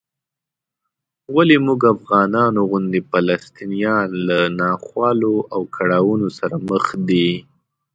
ولې موږ افغانانو غوندې فلسطینیان له ناخوالو او کړاوونو سره مخ دي؟